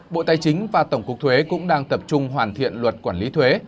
bộ tài chính và tổng cục thuế cũng đang tập trung hoàn thiện luật quản lý thuế